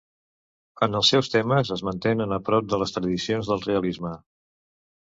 En els seus temes, es mantenen a prop de les tradicions del realisme.